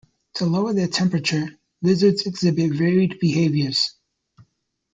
To lower their temperature, lizards exhibit varied behaviors.